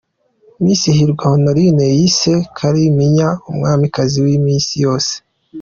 Miss Hirwa Honorine yise Kalimpinya umwamikazi w’iminsi yose.